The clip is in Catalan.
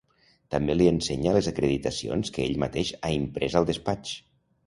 També li ensenya les acreditacions que ell mateix ha imprès al despatx.